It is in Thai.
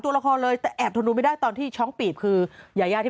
ตัวละครเลยแต่แอบทนดูไม่ได้ตอนที่ช้องปีบคือยายาที่